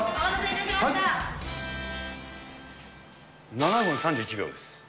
７分３１秒です。